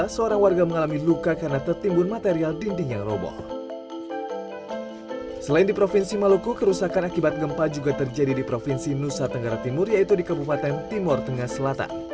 selain di provinsi maluku kerusakan akibat gempa juga terjadi di provinsi nusa tenggara timur yaitu di kabupaten timur tengah selatan